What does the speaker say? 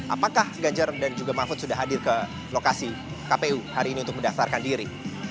apakah ganjar dan juga mahfud sudah hadir ke lokasi kpu hari ini untuk mendaftarkan diri